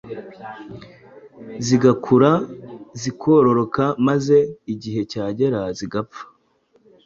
zigakura, zikororoka maze igihe cyagera zigapfa.